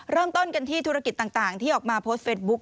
เริ่มต้นกันที่ธุรกิจต่างที่ออกมาโพสต์เฟสบุ๊ค